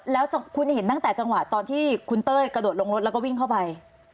แล้วคุณเห็นตั้งแต่จังหวะตอนที่คุณเต้ยกระโดดลงรถแล้วก็วิ่งเข้าไป